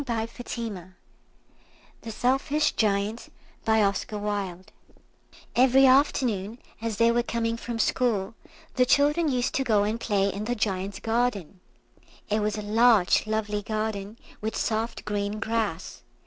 [Picture: The Selfish Giant] EVERY afternoon, as they were coming from school, the children used to go and play in the Giant's garden. It was a large lovely garden, with soft green grass.